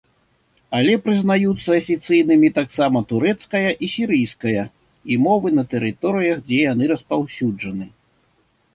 Але прызнаюцца афіцыйнымі таксама турэцкая і сірыйская і мовы на тэрыторыях, дзе яны распаўсюджаны.